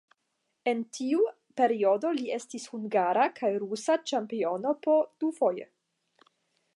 En tiu periodo li estis hungara kaj rusa ĉampionoj po dufoje.